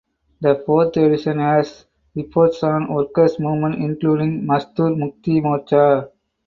The fourth edition has reports on workers movement including Mazdoor Mukti Morcha.